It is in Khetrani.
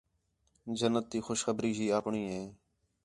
جنت تی خوشخبری ہی اَپݨی ہے